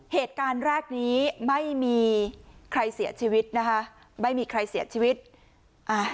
เหตุการณ์แรกนี้ไม่มีใครเสียชีวิตนะคะไม่มีใครเสียชีวิตอ่า